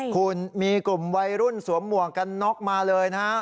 คุณมีกลุ่มวัยรุ่นสวมหมวกกันน็อกมาเลยนะฮะ